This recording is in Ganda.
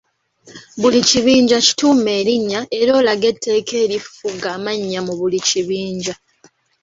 Buli kibinja kituume erinnya era olage etteeka erifuga amannya mu buli kibinja.